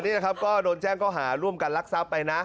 ตอนนี้นะครับก็โดนแจ้งเข้าหาร่วมกันรักษาไปนะ